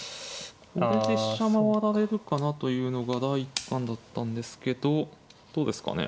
これで飛車回られるかなというのが第一感だったんですけどどうですかね。